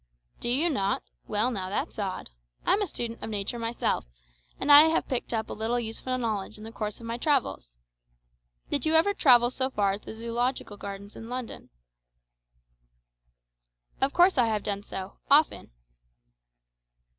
"Do you not? Well, now, that's odd. I'm a student of nature myself, and I have picked up a little useful knowledge in the course of my travels. Did you ever travel so far as the Zoological Gardens in London?" "Of course I have done so, often."